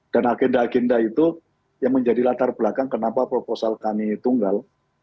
dan agenda agenda itu yang menjadi latar belakang kenapa proposal kami tunggal